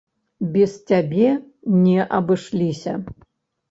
Без цябе не абышліся.